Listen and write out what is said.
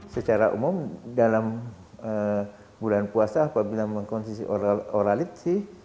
secara umum dalam bulan puasa apabila mengkonsumsi oralid sih